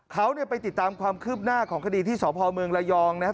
เขาไปติดตามความคืบหน้าของคดีที่สพรายองนะครับ